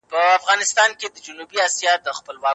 د احصایې کارول ګټور دي.